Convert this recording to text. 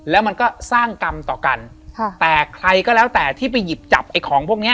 แล้วมันก็สร้างกรรมต่อกันค่ะแต่ใครก็แล้วแต่ที่ไปหยิบจับไอ้ของพวกเนี้ย